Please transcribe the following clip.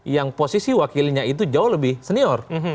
yang posisi wakilnya itu jauh lebih senior